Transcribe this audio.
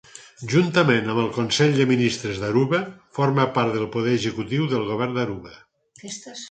Juntament amb el Consell de Ministres d'Aruba forma part del poder executiu del govern d'Aruba.